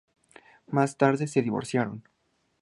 Más tarde se divorciaron.